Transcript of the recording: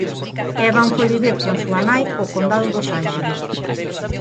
Evan foi vivir con súa nai ao condado dos Ánxeles.